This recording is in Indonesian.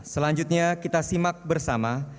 selanjutnya kita simak bersama